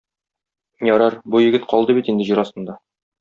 Ярар, бу егет калды бит инде җир астында.